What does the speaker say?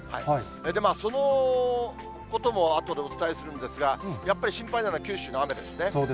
でも、そのこともあとでお伝えするんですが、やっぱり心配なのは、九州の雨ですね。